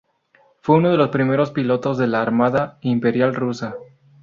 Fue uno de los primeros pilotos de la Armada Imperial rusa.